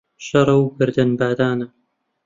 شەڕە و گەردن بادانە